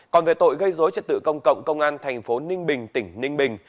còn về tội gây dối trật tự công cộng công an thành phố ninh bình tỉnh ninh bình